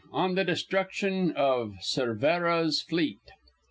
ON THE DESTRUCTION OF CERVERA'S FLEET.